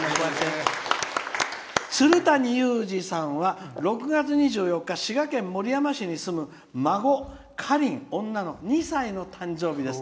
つるたにゆうじさんは６月２４日、滋賀県守山市に住む孫、かりん、女の子２歳の誕生日だそうです。